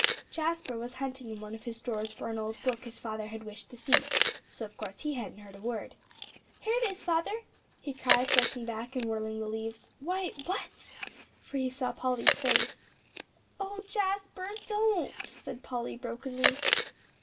Jasper was hunting in one of his drawers for an old book his father had wished to see. So of course he hadn't heard a word. "Here it is, father," he cried, rushing back and whirling the leaves "why, what?" for he saw Polly's face. "Oh Jasper don't," said Polly brokenly.